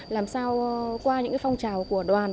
làm sao qua những phong trào của đoàn